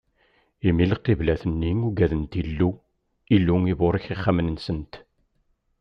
Imi lqiblat-nni ugadent Illu, Illu iburek ixxamen-nsent.